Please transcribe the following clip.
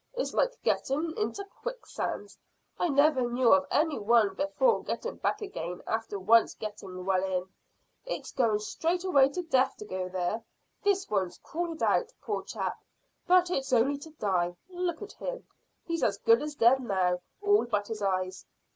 It's like getting into quicksands. I never knew of any one before getting back again after once getting well in. It's going straight away to death to go there. This one's crawled out, poor chap, but it's only to die. Look at him; he's as good as dead now, all but his eyes."